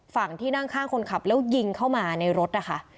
ฝั่งที่นั่งข้างคนขับแล้วยิงเข้ามาในรถนะคะ